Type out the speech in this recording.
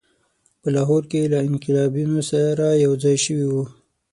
په لاهور کې له انقلابیونو سره یوځای شوی وو.